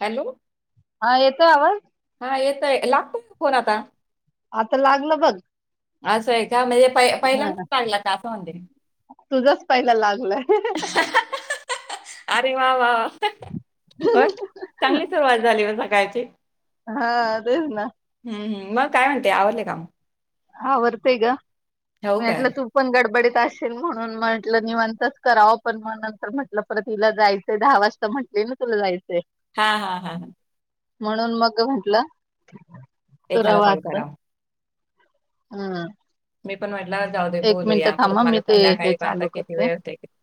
Hello हा येतोय आवाज? हा येतय लागतोय फोन आता. आता लागलं बघ. असं आहे प हा पहिल्यांद लागला का असं म्हणते. तुझाच पहिला लागलाय अरे वा वा वा मग चांगली सुरुवात झाली मग सकाळची. हा तेच ना. हं मग काय म्हणतेय. आवरले काम. हा आवरतेय ग. हो मी काय म्हटलं तू पण गडबडीत जाशील म्हणून म्हटलं निवणंतच करावं. पण मग नंतर म्हटलं पर हिला जायचंय दहा वाजता. म्हटली ना तुला जायचं हा हा हा हं. म्हणून मग म्हटलं. एखादा कॉल कराव हं मी पण म्हटलं जाऊ दे बोलूया परत मी मला ते हे संध्याकाळी पाहता चालू किती करते वेळ होतोय किती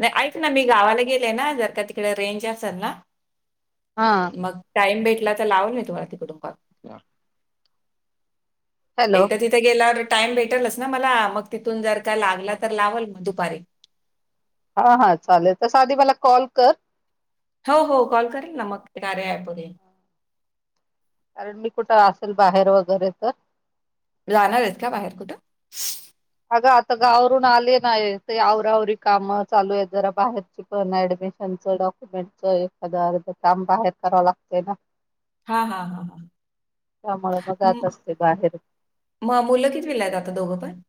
नाही ऐक ना मी गावाला गेले ना जर का तिकडे रेंज असेल ना हा मग टाईम भेट ला तर लावल मी तुमला तिकडून. कॉल [inaudible] हॅलो एकदा तिथे गेल्यावर टाईम भेटलच ना मला मग तिथून जर का लागला तर लावाल म दू पारी हा हा चालेल तस आधी मला कॉल कर. हो हो कॉल करेल ना मग कार्य ऍप वर ये. कारण मी कुठं आसल बाहेर वैगरे तर जाणार आहेत का बाहेर कुठं? अगं आता गावावरून आले. नाही ते आवरावरी काम चालू आहेत. जरा बाहेरची पण, ऍडमिशनच, डॉक्युमेंटच एखादं अर्ध काम बाहेर करावं लागतंय ना. हा हा ह त्यामुळे मग जात म असते बाहेर म मुलं कितवीला आहेत आता दोघं पण?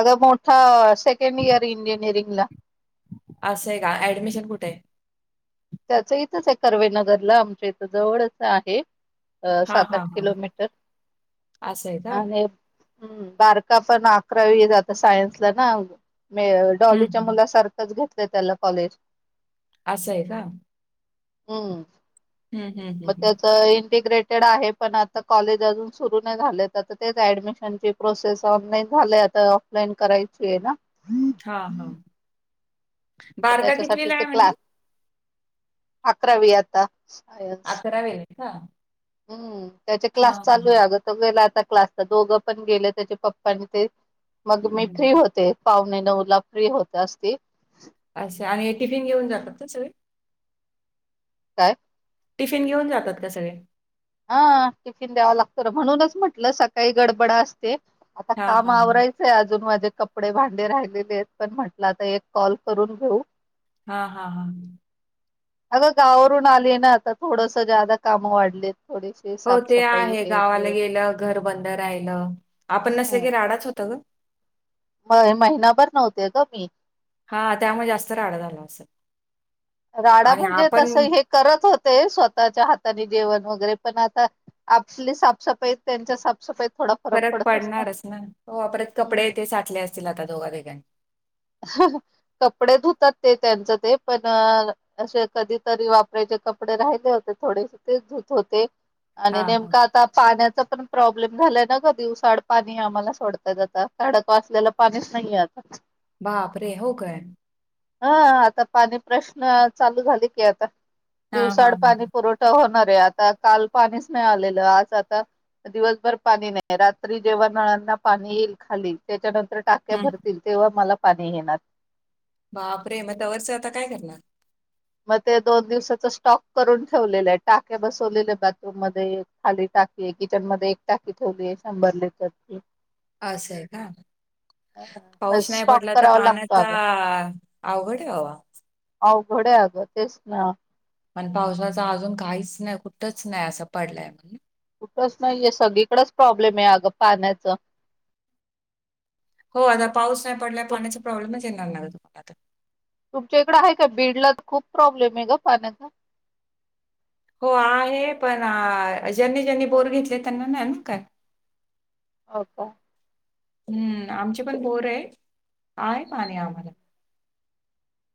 अग मोठा स सेकंड इयर इंजिनीयरिंग बला असंय का, ऍडमिशन कुठंय? त्याचं इथंच आहे करवेनगरला आमच्या इथ जवळच आहे. अ हां, सात, आठ हां, हां. किलोमीटर असं [inaudible] का? आहे. हम्म बारका पण अकरावी जात सायन्सला ना मे हं, डॉलीच्या हं. मुला सारखंच घेत ते त्याला कॉलेज असंय का? हं. हं, हं, म हं, हं. त्याच इंटिग्रेट कडे आहे पण आता कॉलेज अजून सुरू नाही झाल तर आता तेच ऍडमिशनची प्रोसेस ऑनलाईन झालंय आता ऑफलाईन करायची आहे ना. मग हा हा. बारका कितवीला त्याच्यासाठीच ते आहे म्हणली? क्लास अकरावी आता सायन्स हा. हम्म. त्याचे क्लास चालूय आग तो, गेलाय आता. क्लासला, दोघं पण गेलं त्याचे पप्पा आणि ते मग हं, मी हं. फ्री होते, पाव [unintelligible] ला फ्री होत असती. असय आणि टिफिन घेऊन जातात का सगळे? काय? टिफिन घेऊन जातात का सगळे? हा टिफिन द्यावा लागतो, ना म्हणूनच म्हटलं सकाळी गडबडा असते. आता हां, काम हां. आवरायचंय अजून माझ कपडे, भांडी राहिलेलेत पण म्हटलं तर एक कॉल करून घेऊ हा हा हा. अगं गावावरून आलीये ना आता थोडस ज्यादा कामं वाढलेत. हो ते आहे गावाला गेलं घर बंद राहिलं आपण हम्म नसल की राडाच होतो. म महिनाभर नव्हते ग मी. हां, त्यामुळे जास्त राडा झाला असेल. [inaudible] राडा, आणि म्हणजे आपण तस हे करत होते स्वतःच्या हाताने जेवण वगैरे पण, आता आपली साफसफाईत त्यांच्या साफसफाईत थोडा फरक पडत असता. पडणारच ना हो परत कपडे हम्म. ते साठले असतील आता दोघां [unintelligible] कपडे धुतात ते त्यांचं ते पण असे कधीतरी वापरायचे कपडे राहिले होते थोडेसे तेच धुत होते. आणि हां. हो. नेमका आता पाण्याचा पण प्रॉब्लेम झालाय ना ग दिवसाड पाणी आम्हाला सोडतायत आता खडक वासलेला पाणीच नाहिए आता बापरे! हो काय? हा आता पाणी प्रश्न चालू झाले की आता हां, हां, दिवसाड हां. पाणी पुरवठा होणार आता काल पाणीच नाही आलेलं, आज आता दिवसभर पाणी नाही रात्री जेव्हा नळांना पाणी येईल खाली त्याच्यानंतर टाक्या हं. भरतील तेव्हा मला पाणी येणार. बापरे! मग तवरचं आता काय करणार? मग ते दोन दिवसाचा स्टॉक करून ठेवलेलं आहे. टाके बसवलेले बाथरूम मध्ये खाली टाकी आहे किचन, मध्ये एक टाकी ठेवली आहे शंभर लिटरची असंय का पाऊस नाही स्टॉक पडला तर करावा लागतो पाण्याचा अगं आ अवघडय बाबा अवघडय आग तेच ना? मण पावसाचा अजून काहीचं नाही कुठंच नाही असं पडलाय म्हणून सनाहीय सगळीकडच प्रॉब्लेम आहे अगं पाण्याच हो अ पाऊस नाही पडलाय पाण्याचा प्रॉब्लेम नाटात तुमच्या इकडं आहे का बीडला तर खूप प्रॉब्लेम आहे ग पाण्याचा हो आहे पण ज्यांनी ज्यांनी बोर घेतले त्यांना नाही का? हो का? हम्म आमची पण बोर आहे आहे पाणी आम्हाला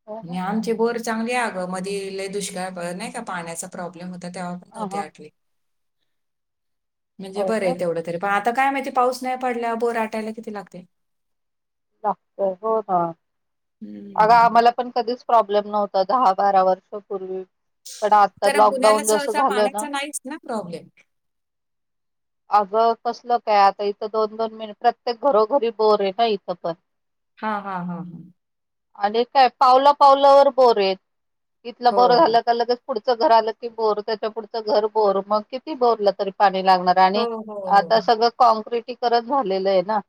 हो ना जञानचे बोर. चांगली आगं मध दुष्काळ नाही का पाण्याचा प्रॉब्लेम होता. आता तेव्हा पण ह नव्हते हा आठली. म्हणजे हो बरं ना आहे तेवढं तरी प आता काय माहिती पाऊस नाही पडला बोर आटायला किती लागते? न हो ह. अग हम्म. आम्हाला पण कधीच प्रॉब्लेम नव्हता दहा बारा वर्ष पूर्वी कारण पुण्याला ससा पाण्याचा नाहीच ना प्रॉब्लेम. अगं कसलं काय आता इथं दोन दोन मिनट प्रत्येक घरोघरी बोर आहे ना इथं. [inaudible] हा हा हा हा. अ काय पावला पावलावर बोरेत. इथला हो बरं झाला का लगे पुढं घर आलं की बोर त्याच्या पुढचं घर बोर मग किती बोरलं तरी पा हो हो हो आता सगळ. करत झालेलं आहे ना.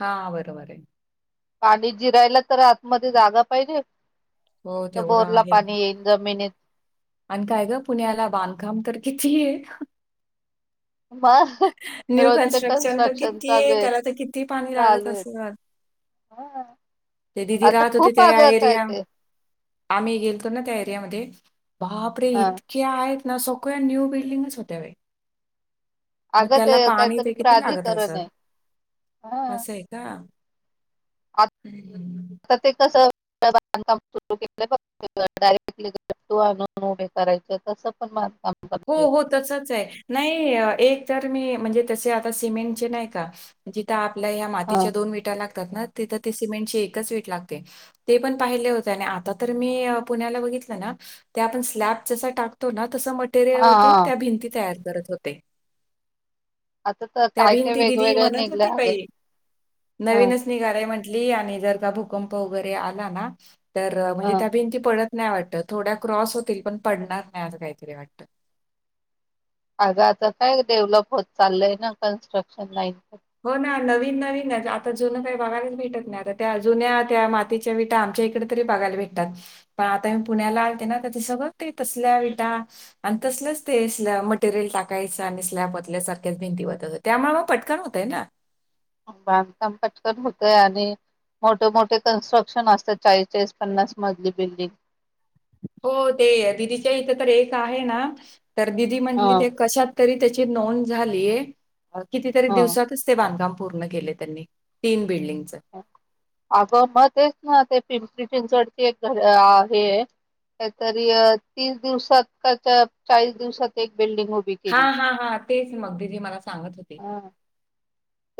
हा बरोबर आहे. पाणी जिरायला तर आतमध्ये जागा पाहिजे. हो तेवढा बोर ला आहे पाणी येईल जमिनीत आणि काय ग, पुण्याला बांधकाम तर किती आहे. मग न्यू रोजचे कन्स्ट्रक्शन तर किती चालू आहेत आहे त्याला तर किती पाणी लागत चालू आहेत असणार. हा. आता खूप आग त्या काय एरिया ते, आम्ही गेलतो ना त्या एरिया मध्ये, बापरे हा इतके आहेत. ना सगळ्या, न्यू बिल्डिंगच होत्या बाई. मग अगं ते त्याला पाणी काहीतरी ते किती लागत प्राधिकरण असं, आहे असं हा आहे का. हम्म. आता ते कसं, बाधंकाम सुर केल बग, डायरेक्टू आणून उभे करायच तसं पण बांधकाम करत हो.. हो.. तसच आहे, नाही एक त्यात मी म्हणजे तसे आता सिमेंटची नाही का तिथं आत आपल्या ह्या, हा मातीच्या दोन विटा लाग तिथे तर सिमेंटची एकच वीट लागते. ते पण पाहिले होते आणि आत्ता तर मी पुण्याला बघितलं ना त्यात जसा स्लॅप टाकतो ना तस तेरे हा ओतून हा त्या भिंती तयार. करत होते. आता तर त्या काय काय भिंती दिदी वेगवेगळं म्हणत निघलंय होती. अगं बाई हा नवीनच निघालय म्हंटली, आणि जर का भु भूकंप वगैरे आला ना. तर हा म्हणजे, त्या भिंती पडत नाही वाटत थोड्या क्रॉस होतील. पण पडणार नाही असं काहीतरी वाटतं. आग आता काय, डेव्हलप होत चालय ना कन्स्ट्रक्शन लाईन. हो ना नवी नवीन नवीन आता जुनं काही बघायलाच भेटत नाही. त्या जुन्या त्या मातीचा विटा, आमच्या इकडं तर बगायला भेटतात. पण आता पुण्याला अलते ना तर सगळं ते तसल्या विटा आणि तसलं चं ते स्लॅप मटरेल टाकायचं आणि स्लॅप ओतल्या सारखं भिंती ओतत होत्या त्यामुळं पटकन होत होतय ना. बांधकाम पटकन होतय, आणि मोठे मोठे कन्स्ट्रक्शन असत चाळीचाळीस पन्नास मजली बिल्डिंग. हो ते दिदीच्या इथे, तर एक आहे ना तर दिदी हा म्हंटली ते कशात तरी, त्याची नोंद झाली ये. कितीतरी हा दिवसातच ते बांधकाम. पूर्ण केलंय त्यांनी, तीन आगं मगं तेचं, ना ते पि चिंचवड एक घर आहे. कायतरी तीस दिवसात का चाळीस दिवसात एक, बिल्डिंग उभी केली. हां, हां, हां. तेच मग दिदि मला सांगत होती. हं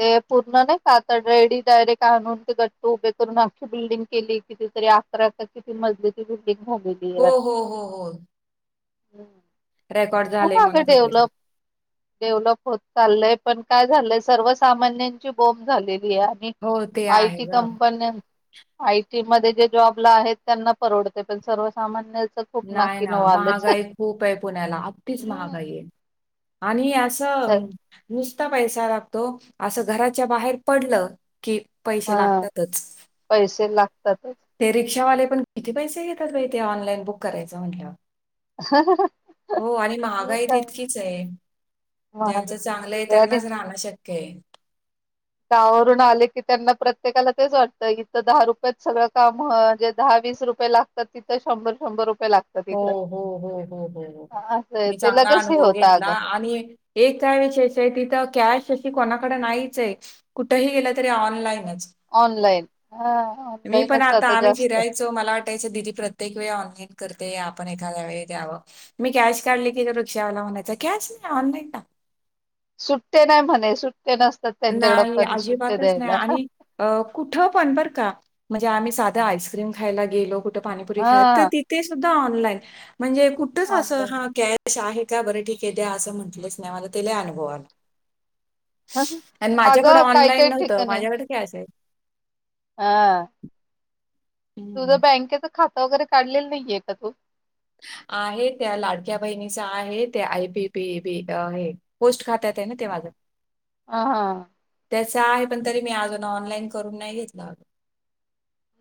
ते पु मगं नाही का आता रेडी डायरेक्ट आणून ते घट्ट उभे करून अख्खी बिल्डिंग केली. किती तरी अकरा मजली तरी. हो हो हो हो. हम्म रेकॉर्ड खूप झाले अगं म्हणत होते ते. डेव्हलप डेव्हलप होत. चालय पण काय झालंय सर्व सामान्यांची बोम्ब झालंय. ते आणि हो, ते आहे आयटी गं. कंपन्या आयटी मध्ये जे जॉबला आहेत त्यांना परवडतय पण सर्वसामान्य नाही ना महागाई खूप आहे पुण्याला अगदीच हम्म. महागाई आहे. आणि छ स- नुसता पैसा लागतो. असं घराच्या बाहेर पडलं. कि पैसे हा लागतातच. पैसे लागतातच. ते रिक्शावाले. पण किती पैसे घेतात बाई ते ऑनलाईन बुक करायचं म्हटल्या वर्. हो आणि हो महागाई काय तितकीच आहे. ज्यांचं महागाई चांगलं आहे, किती. त्यांनाच राहणं शक्य आहे. त्यावरून आले की त्यांना प्रत्येकाला तेच वाटतं. इथं दहा रुपयात सगळं काम हं जे दहा वीस रुपये लागतात तिथं शंभर शंभर रुपये लागतात हो इकडं हो हो हो हो हो असं मी ते चांगला लगेच हे अनुभव होतं घेतला. अगं आणि एक एक काय विशेष आहे तिथं कॅश कोणाकड नाहीच आहे. कुठही गेलं तरी ऑनलाईनच. ऑनलाईन हा मी पण ऑनलाईनच आता आम्ही जास्त फिरायचो मला वाटायचं दिदी प्रत्येक वेळ ऑनलाईन. तर ते आपण एखादया् वेळी द्यावं. मी कॅश काढली की तो रिक्षावाल म्हणायचा कॅश नाही ऑनलाईन दया. सुट्ट नाही म्हणे सुट्ट नाही अजिबातच नाही आणि कुठ पण बरं का जे आम्ही साध आईस्क्रीम खायला गेलो. पाणीपुरी खायला. तर हा तिथे सुद्या फक्त ऑनलाईन. म्हणजे कुठच असं ऑनलाईन हा कॅश कश आहे का बरं ठीक आहे द्या असं म्हंटलंच नाही मला ते लय अनुभव आला. आणि माझ्याकडे अगं काय ऑनलाईन काही नव्हतं, ठिकाणी माझ्याकडे कॅश आहे. हा तुझ हं. बँकेच. खातं वगैरे काढलेलं नाहीये का तू. आहे त्या लाडक्या बहिणीचा आहे. त्या आयपी पी बी हे पोस्ट खात्यात आहे ना ते माझं. हा हा. त्याच आहे पण तरी मी अजून ऑनलाईन करून नाही घेतलं अगं.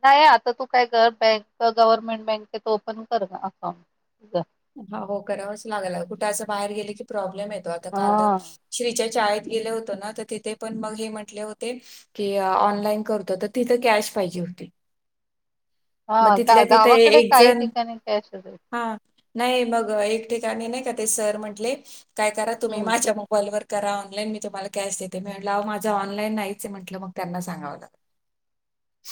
नाही आता तू काय कर बँक गव्हर्नमेंट बँकेत ओपन कर अकाउंट तुझं. हा हो करावंच लागलं अगं कुठं असं बाहेर गेले की प्रॉब् [inaudible] हा काल श्रीच्या शाळे गेलो होतो ना तर तिथे पण मग हे म्हंटले होते, की ऑनलाईन करतो तर तिथं कॅश पाहिजे होती. मग हा गा तिथल्या तिथं ए- गावाकडे एक काही जण ठिकाणी कॅशच अस हा नाही मग एक ठिकाणी नाही का ते सर म्हंटले. काय करा तुम्ही हम्म माझ्या मोबाईलवर करा ऑनलाईन मी तुम्हाला कॅश देते मी म्हटलं माझं ऑनलाईन नाहीच म्हटलं मग त्यांना सांगाव लागलं.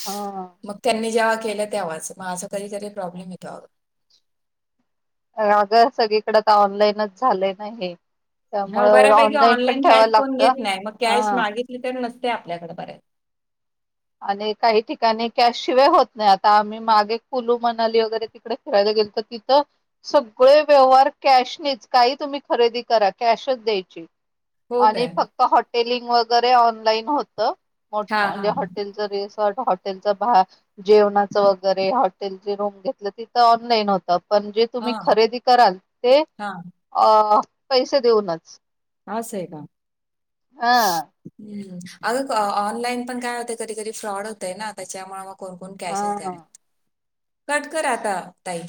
हा मग त्यांनी जेव्हा केलं तेव्हाच मग असं कधीतरी प्रॉब्लेम येतो अगं. अगं सगळीकडे तर ऑनलाईनच झालंय ना हे. हो त्यामुळं बऱ्यापैकी पण ऑनलाईन कॅश ठेवायला कोण लागतं घेत नाही मग कॅश हा मागितली तर नस ते आपल्याकडे बऱ्या आणि काही ठिकाणी कॅशशिवाय होत नाही आता आम्ही मागे कुलू मनाली वगैरे तिकडे फिरायला गेलतो तिथं सगळे व्यवहार कॅशनीच काही तुम्ही खरेदी करा कॅशच द्यायची. हो आणि काय फक्त हॉ टेलिंग वगैरे ऑनलाईन होतं. मोठ् हां, म्हणजे‌ हॉ हां. रिसॉर्ट हॉटेलचा भा जेवणाचं वगैरे हॉ तेल् ची रूम घेतलं तिथं ऑनलाईन होतं. पण जे तुम्ही हां, खरेदी कराल ते हां. अ पैसे देऊनच. असं आहे का? हा अगं ऑ ऑनलाईन पण काय होतंय कधीधरी फ्रॉड होतंय ना त्याच्यामुळे मग कोणकोण कॅशच द्या हा म्हण कट कर आता ताई.